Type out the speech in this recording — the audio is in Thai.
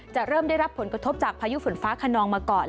จะเริ่มได้รับผลกระทบจากพายุฝนฟ้าขนองมาก่อน